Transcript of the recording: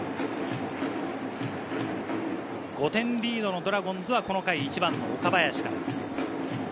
５点リードのドラゴンズはこの回、１番の岡林から。